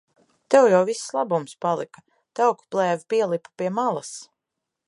Tev jau viss labums palika. Tauku plēve pielipa pie malas.